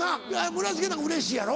村重なんかうれしいやろ？